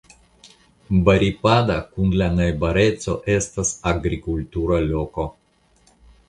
Baripada kun la najbareco estas agrikultura loko.